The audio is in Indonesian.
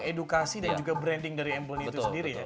mengedukasi dan juga branding dari embel itu sendiri ya